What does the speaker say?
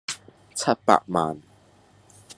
七百萬